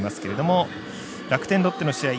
楽天、ロッテの試合